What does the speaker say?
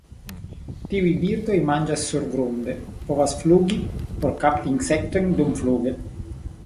Tiuj birdoj manĝas surgrunde, povas flugi por kapti insektojn dumfluge.